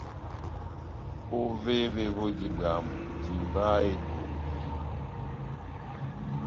Ovévé voji bwámu, timbaha etungi.